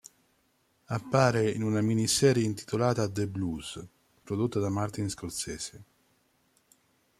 Appare in una miniserie intitolata "The Blues", prodotta da Martin Scorsese.